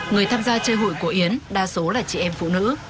người tham gia chơi hụi của yến đa số là chị em phụ nữ